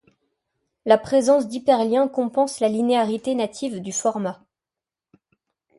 La présence d'hyperliens compense la linéarité native du format.